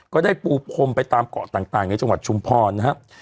ก็ได้ปูพรมไปตามเกาะต่างในจังหวัดชุมพรนะครับ